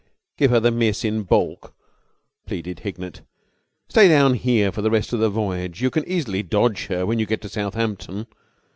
"Give her the miss in baulk," pleaded Hignett. "Stay down here for the rest of the voyage. You can easily dodge her when you get to Southampton.